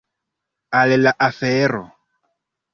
Al la afero!